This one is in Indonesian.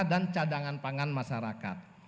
dan cadangan pangan masyarakat